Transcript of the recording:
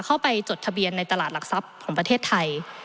จดทะเบียนในตลาดหลักทรัพย์ของประเทศไทย